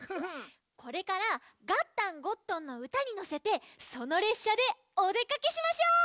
これから「ガッタン＆ゴットン」のうたにのせてそのれっしゃでおでかけしましょう！